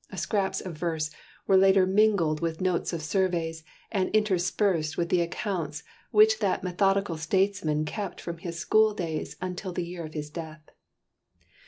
Scraps of verse were later mingled with notes of surveys, and interspersed with the accounts which that methodical statesman kept from his school days until the year of his death.